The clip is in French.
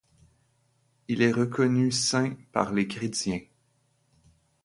Il est reconnu saint par les chrétiens.